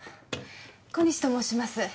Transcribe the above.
小西と申します。